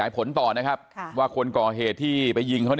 อายุ๑๐ปีนะฮะเขาบอกว่าเขาก็เห็นถูกยิงนะครับ